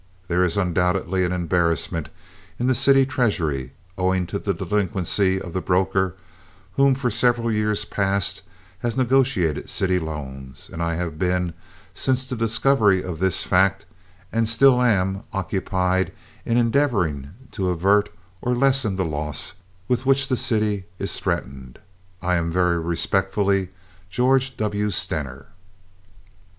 There is undoubtedly an embarrassment in the city treasury, owing to the delinquency of the broker who for several years past has negotiated the city loans, and I have been, since the discovery of this fact, and still am occupied in endeavoring to avert or lessen the loss with which the city is threatened. I am, very respectfully, GEORGE W. STENER.